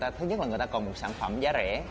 thứ nhất là người ta còn một sản phẩm giá rẻ